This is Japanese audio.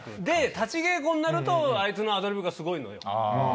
立ち稽古になるとあいつのアドリブがすごいのよ。